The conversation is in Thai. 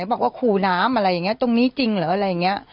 บอกว่าขู่น้ำอะไรอย่างนี้ตรงนี้จริงเหรออะไรอย่างนี้